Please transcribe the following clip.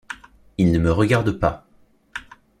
Ils ne me regardent pas.